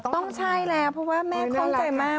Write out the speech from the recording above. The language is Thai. ต้องใช่แล้วเพราะว่าแม่คล่องใจมาก